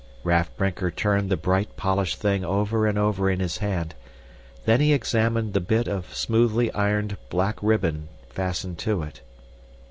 Raff Brinker turned the bright polished thing over and over in his hand, then he examined the bit of smoothly ironed black ribbon fastened to it.